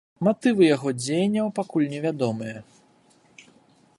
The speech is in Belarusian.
Матывы яго дзеянняў пакуль невядомыя.